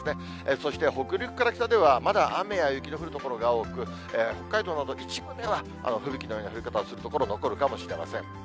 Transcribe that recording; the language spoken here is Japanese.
そして北陸から北ではまだ雨や雪の降る所が多く、北海道など一部では吹雪のような降り方をする所、残るかもしれません。